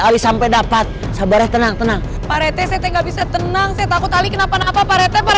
ali sampai dapat sabarnya tenang tenang parete setengah bisa tenang setaku tali kenapa napa parete